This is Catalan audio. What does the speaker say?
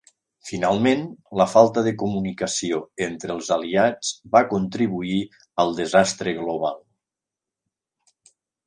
Finalment, la falta de comunicació entre els aliats va contribuir al desastre global.